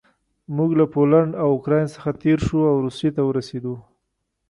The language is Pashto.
موږ له پولنډ او اوکراین څخه تېر شوو او روسیې ته ورسېدو